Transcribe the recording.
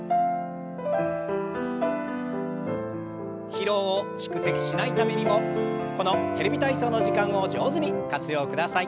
疲労を蓄積しないためにもこの「テレビ体操」の時間を上手に活用ください。